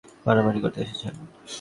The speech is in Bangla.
মারামারি করতে এসেছেন?